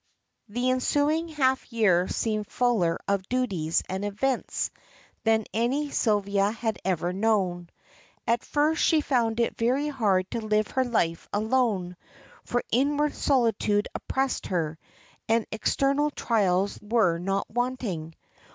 The ensuing half year seemed fuller of duties and events than any Sylvia had ever known. At first she found it very hard to live her life alone; for inward solitude oppressed her, and external trials were not wanting.